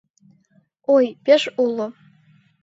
Ой, пеш уло!